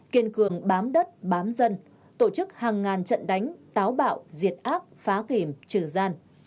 kiên cường bám đất bám dân tổ chức hàng ngàn trận đánh táo bạo diệt ác phá kìm trừ gian